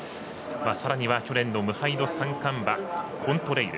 さらには、去年の無敗の三冠馬コントレイル。